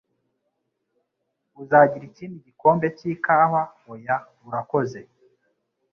Uzagira ikindi gikombe cy'ikawa?" "Oya, urakoze."